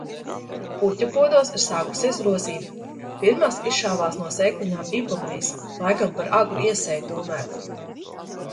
Puķupodos ir sākusies rosība. Pirmās izšāvās no sēkliņām ipomejas, laikam par agru iesēju tomēr.